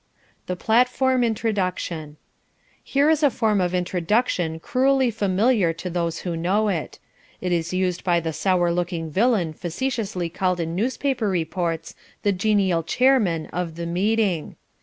The Platform Introduction Here is a form of introduction cruelly familiar to those who know it. It is used by the sour looking villain facetiously called in newspaper reports the "genial chairman" of the meeting.